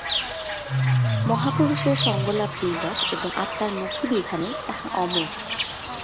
মহাপুরুষের সঙ্গলাভ দুর্লভ এবং আত্মার মুক্তি-বিধানে তাহা অমোঘ।